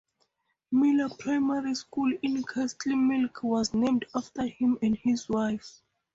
Miller Primary School in Castlemilk was named after him and his wife.